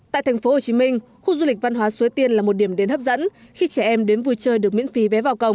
tại thành phố hồ chí minh khu du lịch văn hóa xuế tiên là một điểm đến hấp dẫn khi trẻ em đến vui chơi được miễn phí vé vào cổng